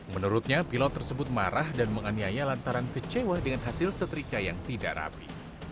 menurutnya pilot tersebut marah dan menganiaya lantaran kecewa dengan hasil setrika yang tidak rapi